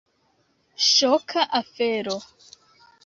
Ŝoka afero.